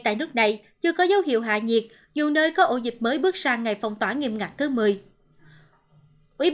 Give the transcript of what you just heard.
tại nước này chưa có dấu hiệu hạ nhiệt dù nơi có ổ dịch mới bước sang ngày phong tỏa nghiêm ngặt thứ một